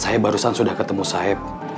saya barusan sudah ketemu saib